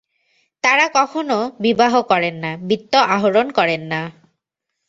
তাঁরা কখনও বিবাহ করেন না, বিত্ত আহরণ করেন না।